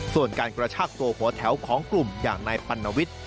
ส่วนการกระชากตัวหัวแถวของกลุ่มอย่างนายปัณวิทย์